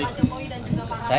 kepada pak jokowi dan juga pak harim